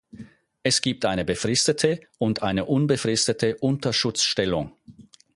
Es gibt eine befristete und eine unbefristete Unterschutzstellung.